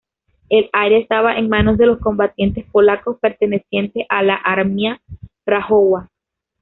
El área estaba en manos de los combatientes polacos pertenecientes a la "Armia Krajowa".